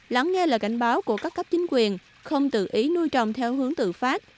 lắng nghe lời cảnh báo của các cấp chính quyền không tự ý nuôi trồng theo hướng tự phát